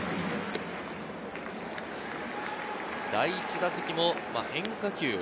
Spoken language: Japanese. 第１打席も変化球。